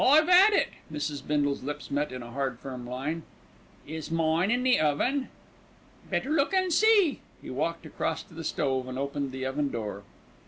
"I've had it." Mrs. Bindle's lips met in a hard, firm line. "Is mine in the oven?" "Better look and see." He walked across to the stove and opened the oven door.